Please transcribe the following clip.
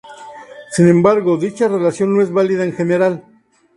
Sin embargo, dicha relación no es válida en general.